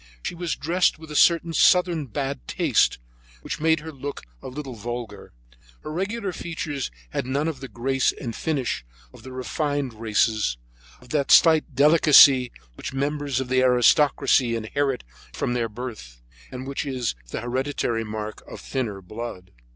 She was dressed with a certain southern bad taste which made her look a little vulgar. Her regular features had none of the grace and finish of the refined races, of that slight delicacy which members of the aristocracy inherit from their birth, and which is the hereditary mark of thinner blood.